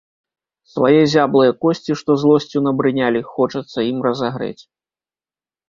Свае зяблыя косці, што злосцю набрынялі, хочацца ім разагрэць.